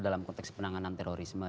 dalam konteks penanganan terorisme